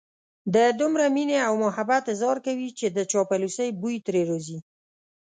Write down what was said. د دومره مينې او محبت اظهار کوي چې د چاپلوسۍ بوی ترې راځي.